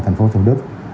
thành phố thủ đức